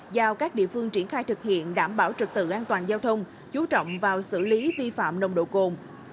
giao các địa phương triển khai thực hiện đảm bảo trực tự an toàn giao thông chú trọng vào xử lý vi phạm nồng độ cồn